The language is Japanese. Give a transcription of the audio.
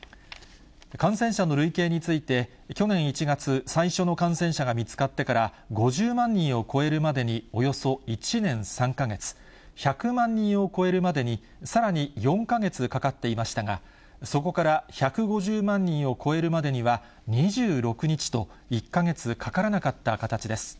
感染者の累計について、去年１月、最初の感染者が見つかってから、５０万人を超えるまでにおよそ１年３か月、１００万人を超えるまでに、さらに４か月かかっていましたが、そこから１５０万人を超えるまでには２６日と、１か月かからなかった形です。